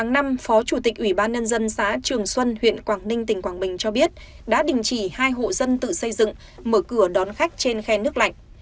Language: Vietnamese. ngày phó chủ tịch ủy ban nhân dân xã trường xuân huyện quảng ninh tỉnh quảng bình cho biết đã đình chỉ hai hộ dân tự xây dựng mở cửa đón khách trên khe nước lạnh